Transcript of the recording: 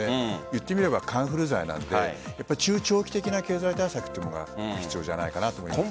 言ってみればカンフル剤なので中長期的な経済対策が必要じゃないかなと思います。